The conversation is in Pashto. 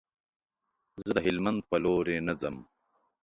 زه د هلمند په لوري نه ځم.